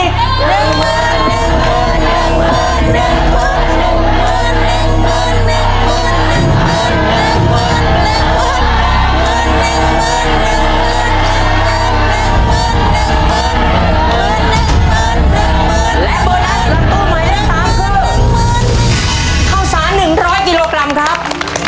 ข้าวสารหนึ่งร้อยกิโลกรัมครับ